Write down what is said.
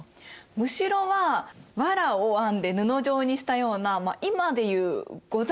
むしろはわらを編んで布状にしたような今で言うござみたいなものかな。